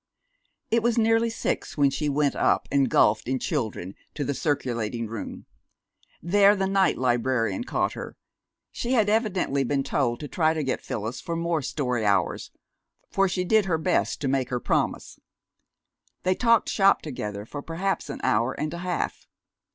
It was nearly six when she went up, engulfed in children, to the circulating room. There the night librarian caught her. She had evidently been told to try to get Phyllis for more story hours, for she did her best to make her promise. They talked shop together for perhaps an hour and a half.